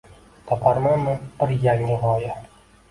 Toparmanmi bir yangi g’oya